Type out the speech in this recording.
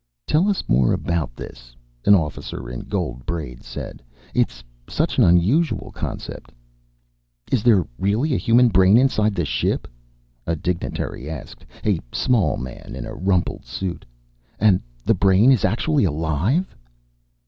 "Tell us more about this," an officer in gold braid said. "It's such an unusual concept." "Is there really a human brain inside the ship?" a dignitary asked, a small man in a rumpled suit. "And the brain is actually alive?"